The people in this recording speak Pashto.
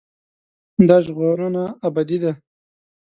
دا ژغورنه ابدي ده.